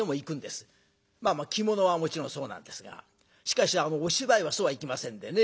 着物はもちろんそうなんですがしかしお芝居はそうはいきませんでね。